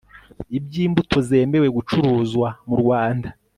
iby imbuto zemewe gucuruzwa mu rwanda